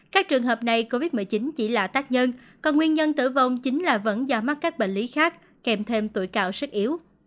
các trường hợp này covid một mươi chín chỉ là tác nhân còn nguyên nhân tử vong chính là vẫn do mắc các bệnh lý khác kèm thêm tuổi cao sức yếu